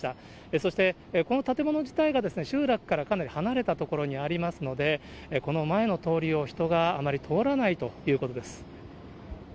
そして、この建物自体が集落からかなり離れた所にありますので、この前の通りを人があまり通らないということです。